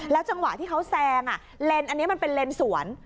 จังหวะที่เขาแซงเลนอันนี้มันเป็นเลนสวน